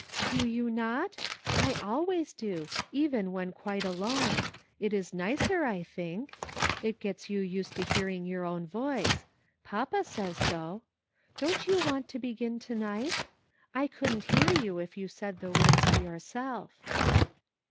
"Do you not? I always do, even when quite alone ; it is nicer, I think ; it gets you used to hearing your own voice ; papa says so. Don't you want to begin to night? I couldn't hear you if you said the words to yourself."